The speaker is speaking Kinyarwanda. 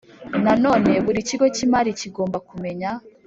Nanone buri kigo cy imari kigomba kumenya